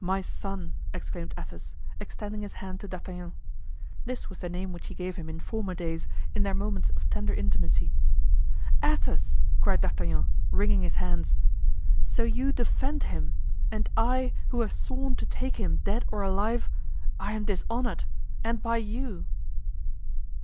"My son!" exclaimed Athos, extending his hand to D'Artagnan. This was the name which he gave him in former days, in their moments of tender intimacy. "Athos!" cried D'Artagnan, wringing his hands. "So you defend him! And I, who have sworn to take him dead or alive, I am dishonored—and by you!"